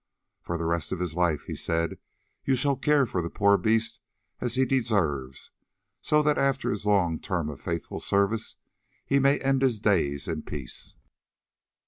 "For the rest of his life," he said, "you shall care for the poor beast as he deserves, so that after his long term of faithful service he may end his days in peace."